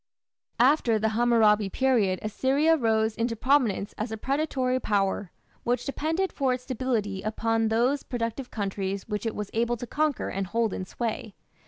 After the Hammurabi period Assyria rose into prominence as a predatory power, which depended for its stability upon those productive countries which it was able to conquer and hold in sway.